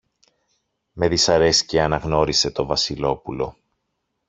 Με δυσαρέσκεια αναγνώρισε το Βασιλόπουλο